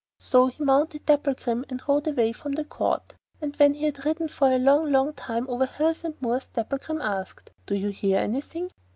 So he mounted Dapplegrim and rode away from the Court, and when he had ridden for a long, long time over hills and moors, Dapplegrim asked: 'Do you hear anything?